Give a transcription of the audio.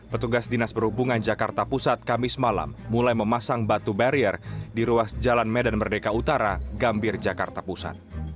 petugas dinas perhubungan jakarta pusat kamis malam mulai memasang batu barrier di ruas jalan medan merdeka utara gambir jakarta pusat